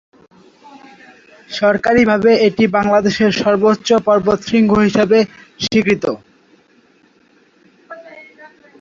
সরকারিভাবে এটি বাংলাদেশের সর্বোচ্চ পর্বতশৃঙ্গ হিসেবে স্বীকৃত।